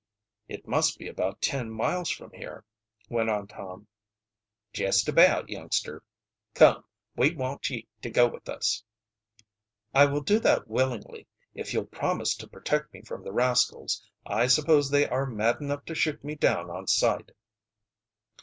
"It must be about ten miles from here," went on Tom. "Jest about, youngster. Come, we want ye to go with us." "I will do that willingly, if you'll promise to protect me from the rascals. I suppose they are mad enough to shoot me down on sight."